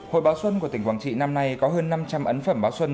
hội báo xuân của tỉnh quảng trị năm nay có hơn năm trăm linh ấn phẩm báo xuân